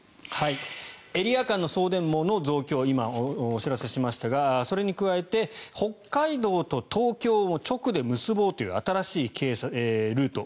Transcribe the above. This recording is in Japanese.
エリア間の送電網の増強を今、お知らせしましたがそれに加えて北海道と東京を直で結ぼうという新しいルート